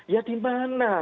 ya di mana